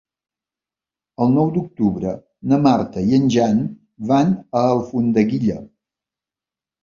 El nou d'octubre na Marta i en Jan van a Alfondeguilla.